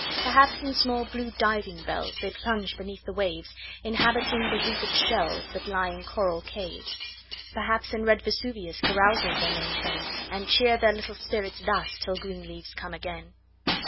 Perhaps, in small, blue diving bells, They plunge beneath the waves, Inhabiting the wreathed shellsThat lie in coral caves; Perhaps, in red Vesuvius, Carousals they maintain; And cheer their little spirits thus, Till green leaves come again.